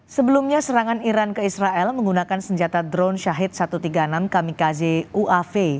sebelumnya serangan iran ke israel menggunakan senjata drone syahid satu ratus tiga puluh enam kamikaze uav